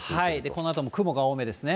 このあとも雲が多めですね。